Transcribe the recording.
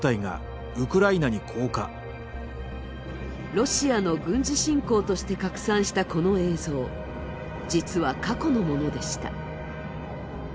ロシアの軍事侵攻として拡散したこの映像、実は過去のものでした。